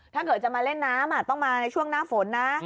ถ้าเกิดจะมาเล่นน้ำต้องมาในช่วงหน้าฝนนะ